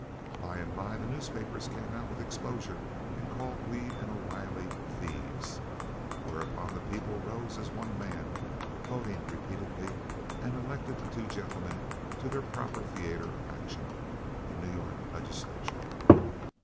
By and by the newspapers came out with exposures and called Weed and O'Riley "thieves," whereupon the people rose as one man (voting repeatedly) and elected the two gentlemen to their proper theatre of action, the New York legislature.